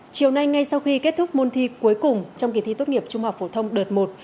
chiều nay ngay sau khi kết thúc môn thi cuối cùng trong kỳ thi tốt nghiệp trung học phổ thông đợt một